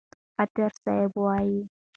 خاطر صاحب وايي: